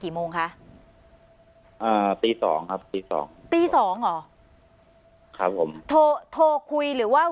โมงคะอ่าตีสองครับตีสองตีสองเหรอครับผมโทรโทรคุยหรือว่า